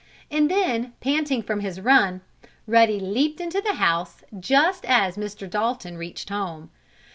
And then, panting from his run, Ruddy leaped into the house just as Mr. Dalton reached home.